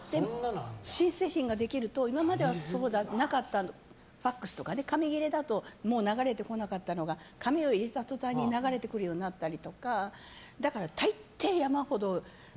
新製品ができると今まではなかった、ＦＡＸとか紙切れだともう流れてこなかったのが紙を入れた途端に流れてくるようになったりとかだから、大抵山ほど。